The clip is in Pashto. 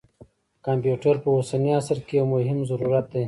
کمپیوټر په اوسني عصر کې یو مهم ضرورت دی.